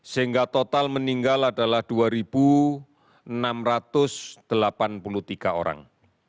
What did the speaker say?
sehingga total meninggal adalah dua enam ratus delapan puluh tiga orang